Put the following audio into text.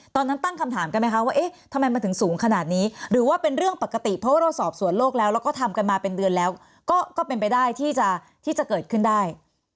ตั้งคำถามกันไหมคะว่าเอ๊ะทำไมมันถึงสูงขนาดนี้หรือว่าเป็นเรื่องปกติเพราะว่าเราสอบสวนโลกแล้วแล้วก็ทำกันมาเป็นเดือนแล้วก็เป็นไปได้ที่จะเกิดขึ้นได้